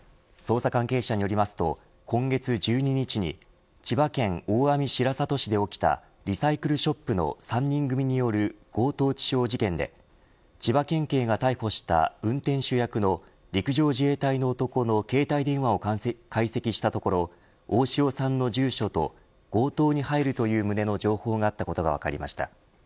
捜査関係者によりますと今月１２日に千葉県大網白里市で起きたリサイクルショップの３人組による強盗致傷事件で千葉県警が逮捕した運転手役の陸上自衛隊の男の携帯電話を解析したところ大塩さんの住所と強盗に入るという旨の情報があったことが分かりました。